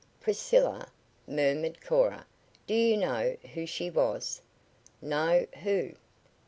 "Priscilla," murmured Cora. "Do you know who she was?" "No. Who?"